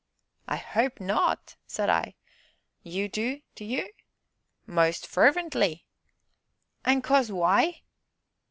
"I hope not!" said I. "Ye do, do ye?" "Most fervently!" "An' 'cause why?"